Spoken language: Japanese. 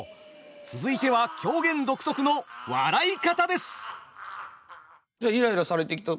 続いては狂言独特の「笑い方」です。